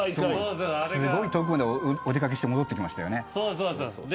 すごい遠くまでお出掛けして戻ってきましたよね。